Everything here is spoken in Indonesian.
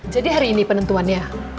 jadi hari ini penentuannya